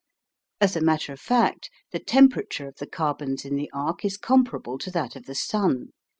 As a matter of fact, the temperature of the carbons in the arc is comparable to that of the Sun.